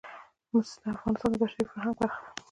مس د افغانستان د بشري فرهنګ برخه ده.